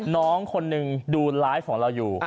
น้องคนหนึ่งดูไลฟ์ของเราอยู่